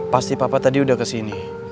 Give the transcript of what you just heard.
pasti papa tadi udah kesini